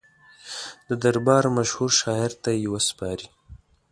د دربار مشهور شاعر ته یې وسپاري.